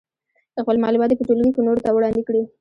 خپل معلومات دې په ټولګي کې نورو ته وړاندې کړي.